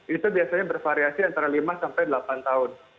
itu biasanya bervariasi antara lima sampai delapan tahun